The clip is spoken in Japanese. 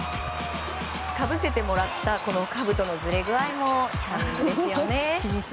かぶせてもらったかぶとのずれ具合もチャーミングですね。